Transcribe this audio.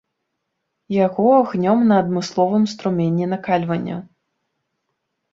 Яго гнём на адмысловым струмені накальвання.